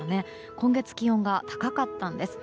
今月、気温が高かったんです。